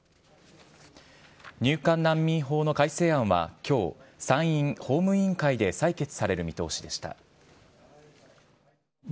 入管難民法の改正案は、きょう、参院法務委員会で採決される見通しでした。